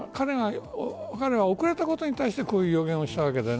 彼は、遅れたことに対してこういう予言をしたわけです。